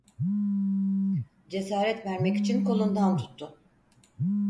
Cesaret vermek için kolundan tuttu…